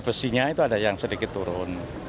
besinya itu ada yang sedikit turun